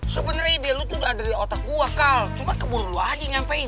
sebenernya ide lo tuh udah ada di otak gue kal cuma keburu lo aja nyampein